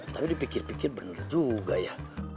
tapi dipikir pikir benar juga ya